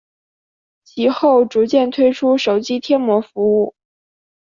其后逐渐推出手机贴膜服务。